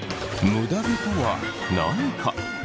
むだ毛とは何か？